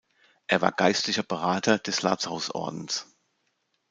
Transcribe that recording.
Er war geistlicher Berater des Lazarus-Ordens.